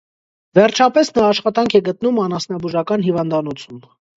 Վերջապես նա աշխատանք է գտնում անասնաբուժական հիվանդանոցում։